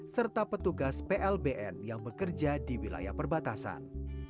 serta petugas plbn yang bekerja di wilayah perbatasan